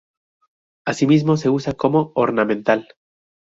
Asimismo se usa como ornamental.